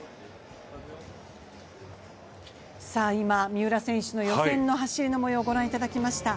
三浦選手の予選の走りのもようをご覧いただきました。